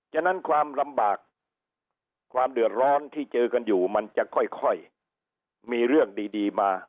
ฉะนั้นความลำบากความเดือดร้อนที่เจอกันอยู่มันจะค่อยมีเรื่องดีมา